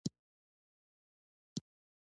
په افغانستان کې د ښارونه منابع شته.